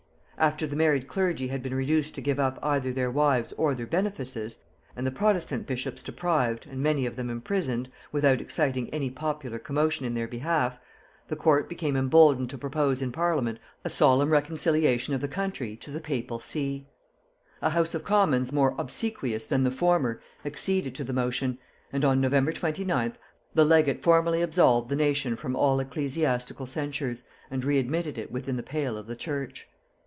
After the married clergy had been reduced to give up either their wives or their benefices, and the protestant bishops deprived, and many of them imprisoned, without exciting any popular commotion in their behalf, the court became emboldened to propose in parliament a solemn reconciliation of the country to the papal see. A house of commons more obsequious than the former acceded to the motion, and on November 29th the legate formally absolved the nation from all ecclesiastical censures, and readmitted it within the pale of the church.